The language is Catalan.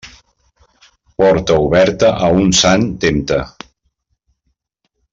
Porta oberta a un sant tempta.